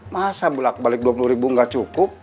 masa belak balik dua puluh ribu gak cukup